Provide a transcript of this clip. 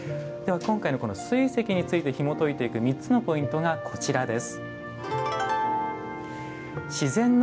今回の水石についてひもといていく３つのポイントがこちらです。